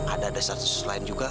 ada ada satu satu lain juga